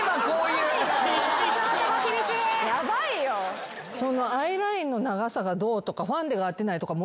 アイラインの長さがどうとかファンデが合ってないとかもう。